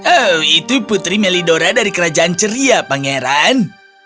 oh itu putri melidora dari kerajaan ceria pangeran